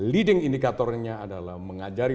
leading indicator nya adalah mengajari